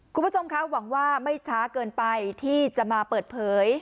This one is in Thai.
คุณผู้ชมคะหวังว่าไม่ช้าเกินไปที่จะมาเปิดเผย